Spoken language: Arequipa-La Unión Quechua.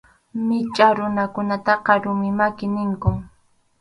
Michʼa runakunataqa rumi maki ninku.